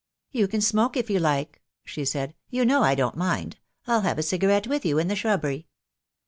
"You can smoke if you like," she said. "You know I don't mind. I'll have a cigarette with you in the shrubbery."